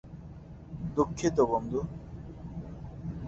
দুঃখিত, বন্ধু।